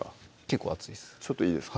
結構熱いです